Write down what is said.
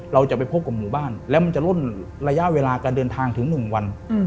เราจะไปพบกับหมู่บ้านแล้วมันจะล่นระยะเวลาการเดินทางถึง๑วัน